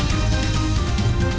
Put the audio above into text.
dibuat dengan peraturan